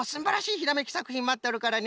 ひらめきさくひんまっとるからね。